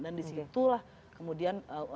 dan disitulah kemudian